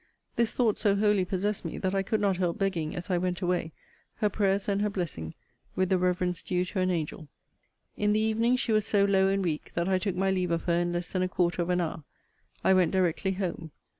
This thought so wholly possessed me, that I could not help begging, as I went away, her prayers and her blessing, with the reverence due to an angel. In the evening, she was so low and weak, that I took my leave of her in less than a quarter of an hour. I went directly home.